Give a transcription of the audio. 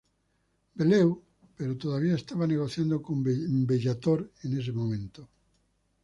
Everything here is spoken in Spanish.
Bellew, pero todavía estaba negociando con Bellator en ese momento.